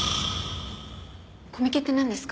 コミケって何ですか？